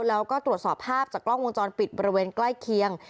แล้วก็ตรวจสอบภาพจากกล้องวงจรปิดบริเวณใกล้เคียง